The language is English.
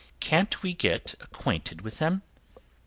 Can't we get acquainted with them?"